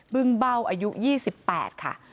ึ้งเบ้าอายุ๒๘ค่ะ